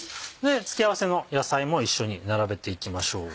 付け合わせの野菜も一緒に並べていきましょう。